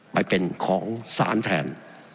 ไปเป็นของศาลแทน